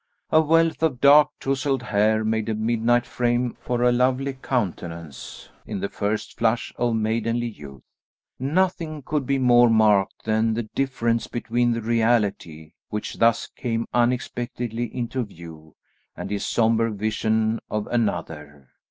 A wealth of dark tousled hair made a midnight frame for a lovely countenance in the first flush of maidenly youth. Nothing could be more marked than the difference between the reality which thus came unexpectedly into view, and his sombre vision of another.